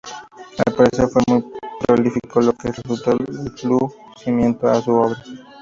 Al parecer fue muy prolífico, lo que restó lucimiento a su obra.